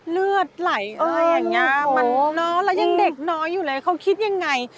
เลือดไหลอะไรอย่างนี้เรายังเด็กน้อยอยู่เลยเขาคิดยังไง